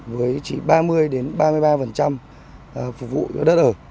với chỉ ba mươi ba mươi ba phục vụ đất ở